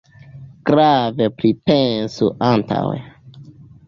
Grave pripensu antaŭe.